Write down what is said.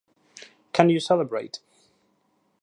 Can You Celebrate?